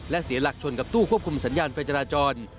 และเสียหลักชนกับตู้ควบคุมสัญญาณไฟจราจร